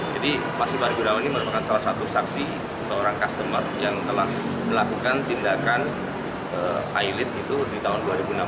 jadi mas ibargurawan ini merupakan salah satu saksi seorang customer yang telah melakukan tindakan ailit itu di tahun dua ribu enam belas